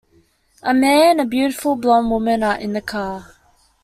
A man and beautiful blonde woman are in a car.